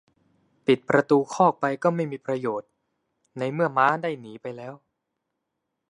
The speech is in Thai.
ปิดประตูคอกไปก็ไม่มีประโยชน์ ในเมื่อม้าได้หนีไปแล้ว